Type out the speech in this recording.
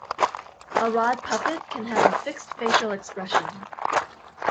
A rod puppet can have a fixed facial expression.